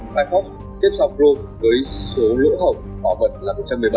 firefox xếp sau chrome với số lỗi hỏng bỏ mật là một trăm một mươi bảy